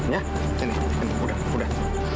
ya ini ini sudah sudah